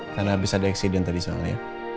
karena abis ada eksiden tadi soalnya